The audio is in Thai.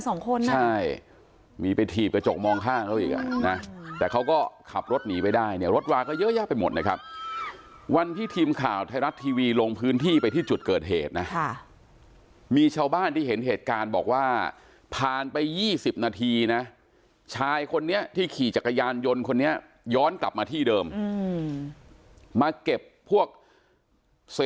โทรศัพท์นี่โทรศัพท์นี่โทรศัพท์นี่โทรศัพท์นี่โทรศัพท์นี่โทรศัพท์นี่โทรศัพท์นี่โทรศัพท์นี่โทรศัพท์นี่โทรศัพท์นี่โทรศัพท์นี่โทรศัพท์นี่โทรศัพท์นี่โทรศัพท์นี่โทรศัพท์นี่โทรศัพท์นี่โทรศัพท์นี่โทรศัพท์นี่โทรศ